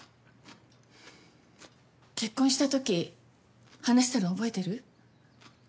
結婚した時話したの覚えてる？